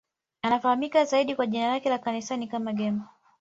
Anafahamika zaidi kwa jina lake la kisanii kama Game.